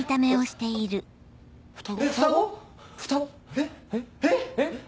えっ？えっ？